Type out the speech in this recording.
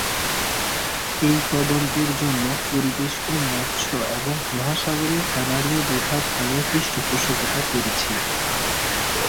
এই তদন্তের জন্য পরিবেশ ও মৎস্য এবং মহাসাগরীয় কানাডীয় বিভাগ তাদের পৃষ্ঠপোষকতা করছে।